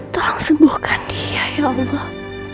tolong sembuhkan dia ya allah